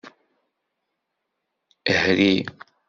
Hri.